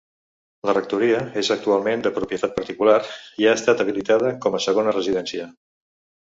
La rectoria és actualment de propietat particular, i ha estat habilitada com a segona residència.